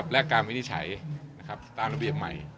และการวินิจฉัยตามระเบียบใหม่